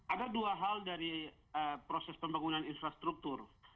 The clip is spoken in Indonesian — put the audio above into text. ada dua hal dari proses pembangunan infrastruktur